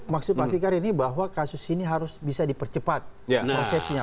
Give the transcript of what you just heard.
maksud pak fikar ini bahwa kasus ini harus bisa dipercepat prosesnya